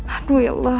aduh ya allah